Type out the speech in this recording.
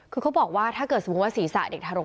คือเขาบอกว่าถ้าเกิดสมมุติว่าศีรษะเด็กทารก